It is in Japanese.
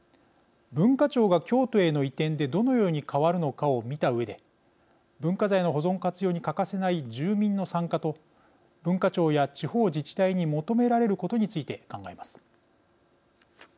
文化庁が京都への移転でどのように変わるのかを見たうえで文化財の保存活用に欠かせない住民の参加と文化庁や地方自治体に求められることについて考えます。